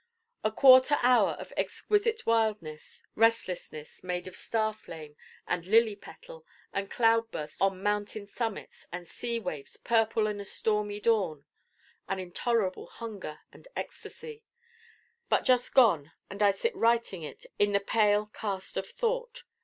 a quarter hour of exquisite wildness restlessness, made of Star flame and Lily petal and Cloud burst on Mountain summits and Sea waves purple in a Stormy Dawn an intolerable hunger and ecstasy But just gone and I sit writing it in the pale cast of thought.